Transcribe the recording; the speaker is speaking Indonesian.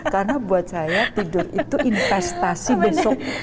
karena buat saya tidur itu investasi untuk besok